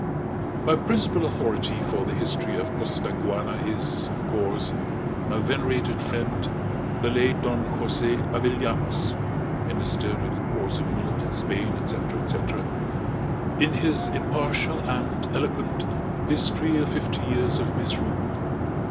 My principal authority for the history of Costaguana is, of course, my venerated friend, the late Don Jose Avellanos, Minister to the Courts of England and Spain, etc., etc., in his impartial and eloquent "History of Fifty Years of Misrule."